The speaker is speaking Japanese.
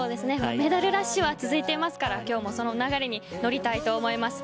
メダルラッシュが続いていますから今日も流れに乗りたいと思います。